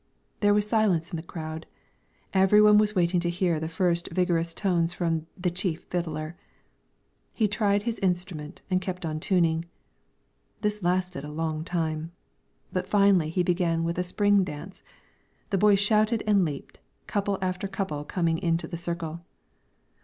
There was silence in the crowd, every one was waiting to hear the first vigorous tones from "the chief fiddler." He tried his instrument and kept on tuning; this lasted a long time; but finally he began with a spring dance, the boys shouted and leaped, couple after couple coming into the circle.